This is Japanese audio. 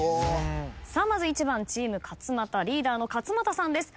まず１番チーム勝俣リーダーの勝俣さんです。